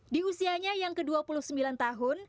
di usianya yang ke dua puluh sembilan tahun